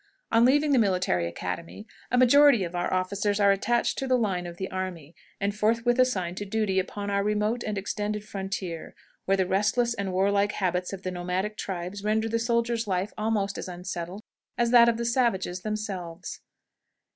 On leaving the Military Academy, a majority of our officers are attached to the line of the army, and forthwith assigned to duty upon our remote and extended frontier, where the restless and warlike habits of the nomadic tribes render the soldier's life almost as unsettled as that of the savages themselves.